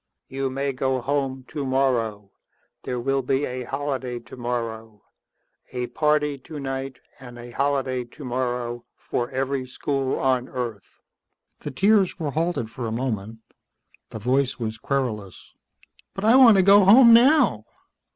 "You may go home tomorrow. There will be a holiday tomorrow. A party tonight and a holiday tomorrow for every school on earth." The tears were halted for a moment. The voice was querulous. "But I want to go home now."